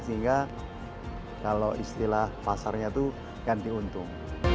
sehingga kalau istilah pasarnya itu ganti untung